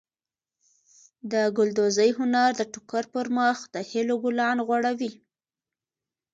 د ګلدوزۍ هنر د ټوکر پر مخ د هیلو ګلان غوړوي.